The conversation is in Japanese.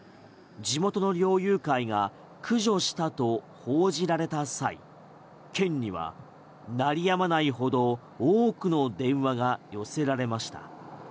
地元の猟友会が駆除したと報じられた際県には鳴りやまないほど多くの電話が寄せられました。